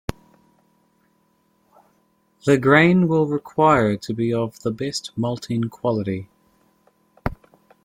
The grain will require to be of the best Malting Quality.